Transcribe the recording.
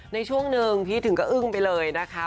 ในช่วงหนึ่งพี่ถึงก็อึ้งไปเลยนะคะ